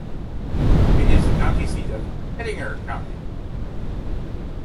It is the county seat of Hettinger County.